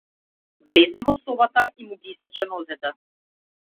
Влезе во собата и му ги исече нозете.